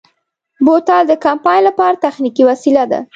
بوتل د کمپاین لپاره تخنیکي وسیله ده.